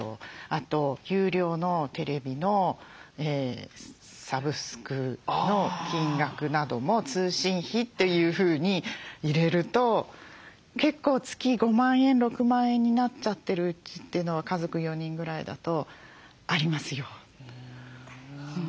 あと有料のテレビのサブスクの金額なども通信費というふうに入れると結構月５万円６万円になっちゃってる家というのは家族４人ぐらいだとありますよ。